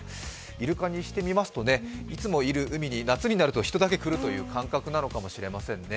イルカにしてみますといつもいる海に夏になると人だけ来るという感覚なのかもしれませんね。